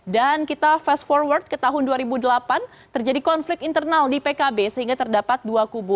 dan kita fast forward ke tahun dua ribu delapan terjadi konflik internal di pkb sehingga terdapat dua kubu